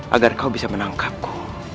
agar kau bisa menangkapku